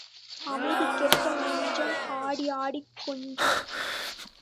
அமைதி கெட்ட நெஞ்சம் ஆடி ஆடிக் கொஞ்சும்.